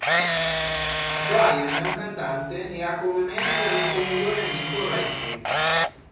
Bryan è un cantante e ha come manager il suo migliore amico Reggie.